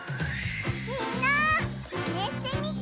みんなマネしてみてね！